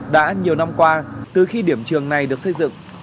đã nhiều năm qua từ khi điểm trường này được xây dựng